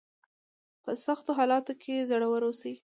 په سختو حالاتو کې زړور اوسئ.